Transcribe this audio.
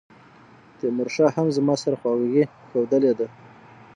تیمورشاه هم زما سره خواخوږي ښودلې ده.